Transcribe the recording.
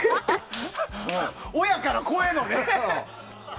親から子へのね。